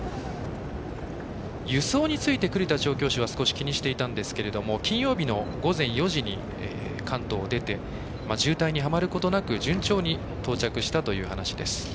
輸送について栗田調教師は少し気にしていたんですけど金曜日の午前４時に関東を出て渋滞に、はまることなく順調に到着したという話です。